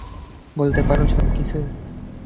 বলতে পারো, সবকিছুই।